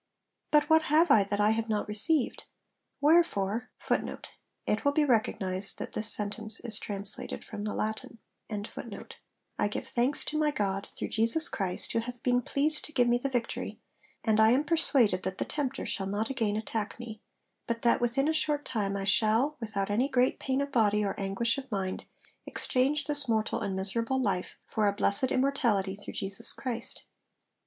'But what have I that I have not received? Wherefore, I give thanks to my God, through Jesus Christ, who hath been pleased to give me the victory; and I am persuaded that the tempter shall not again attack me, but that within a short time I shall, without any great pain of body or anguish of mind, exchange this mortal and miserable life for a blessed immortality through Jesus Christ.'